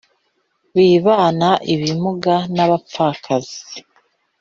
bibana ibimuga n abapfakazi